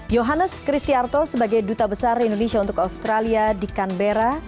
yohannes kristiarto sebagai duta besar indonesia untuk australia di canberra